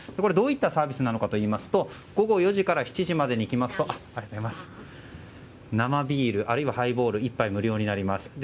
どういったサービスなのかといいますと午後４時から７時までに来ますと生ビールあるいはハイボール１杯無料になります。